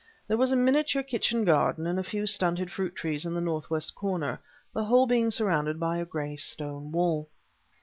There was a miniature kitchen garden, and a few stunted fruit trees in the northwest corner; the whole being surrounded by a gray stone wall.